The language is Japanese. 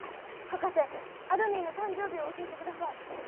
博士あどミンの誕生日を教えてください。